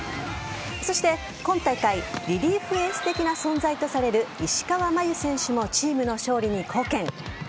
そして今大会リリーフエース的な存在とされる石川真佑選手もチームの勝利に貢献。